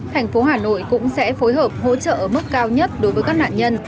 thành phố hà nội cũng sẽ phối hợp hỗ trợ ở mức cao nhất đối với các nạn nhân